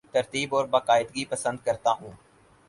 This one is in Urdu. ترتیب اور باقاعدگی پسند کرتا ہوں